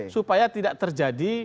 supaya tidak terjadi